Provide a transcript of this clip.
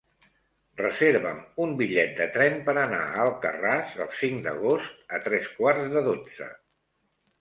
Reserva'm un bitllet de tren per anar a Alcarràs el cinc d'agost a tres quarts de dotze.